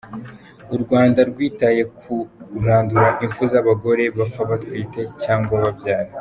U Rwanda rwitaye ku kurandura impfu z’abagore bapfa batwite cyangwa babyara .